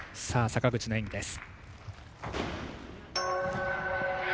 坂口の演技です。